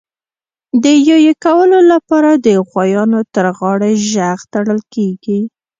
د یویې کولو لپاره د غوایانو تر غاړي ژغ تړل کېږي.